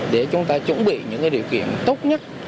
để chúng ta chuẩn bị những điều kiện tốt nhất